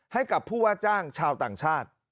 ให้กับผู้ว่าจ้างชาวต่างชาติ